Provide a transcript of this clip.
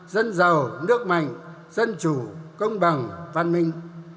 dân giàu nước mạnh dân chủ công bằng văn minh